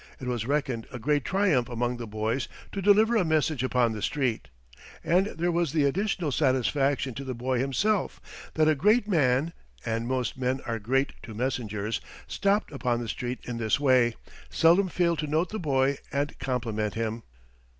It was reckoned a great triumph among the boys to deliver a message upon the street. And there was the additional satisfaction to the boy himself, that a great man (and most men are great to messengers), stopped upon the street in this way, seldom failed to note the boy and compliment him.